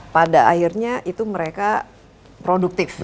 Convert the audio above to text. pada akhirnya itu mereka produktif